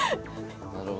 なるほど。